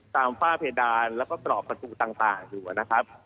ตามฝ้าเพดานแล้วก็ตรอบประสูจน์ต่างต่างอยู่อ่ะนะครับ